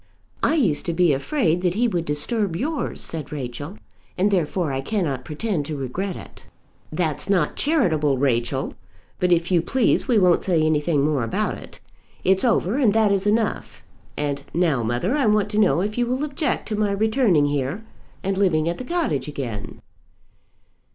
"I used to be afraid that he would disturb yours," said Rachel, "and therefore I cannot pretend to regret it." "That's not charitable, Rachel. But if you please we won't say anything more about it. It's over, and that is enough. And now, mother, I want to know if you will object to my returning here and living at the cottage again."